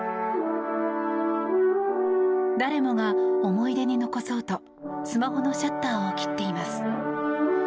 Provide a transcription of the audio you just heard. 誰もが思い出に残そうとスマホのシャッターを切っています。